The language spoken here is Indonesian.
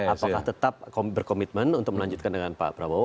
apakah tetap berkomitmen untuk melanjutkan dengan pak prabowo